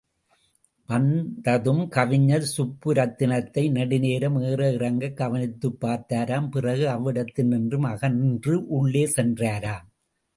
வந்ததும் கவிஞர் சுப்புரத்தினத்தை நெடுநேரம் ஏற இறங்கக் கவனித்துப் பார்த்தாராம் பிறகு அவ்விடத்தினின்றும் அகன்று உள்ளே சென்றாராம்.